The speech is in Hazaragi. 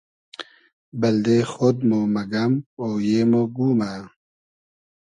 بئلدې خۉد مۉ مئگئم اویې مۉ گومۂ